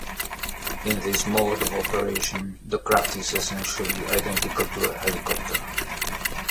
In this mode of operation the craft is essentially identical to a helicopter.